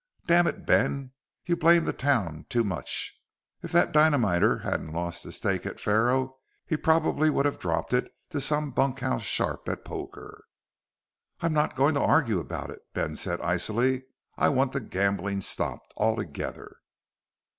"Damn it, Ben, you blame the town too much. If that dynamiter hadn't lost his stake at faro, he probably would have dropped it to some bunkhouse sharp at poker." "I'm not going to argue about it," Ben said icily. "I want the gambling stopped. Altogether."